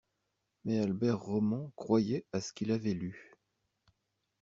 Mais Albert Roman croyait à ce qu’il avait lu